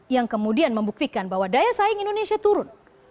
yang kemudian membuktikan bahwa daya saing indonesia turun